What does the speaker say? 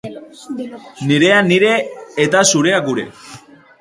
Nirea nire eta zurea gure.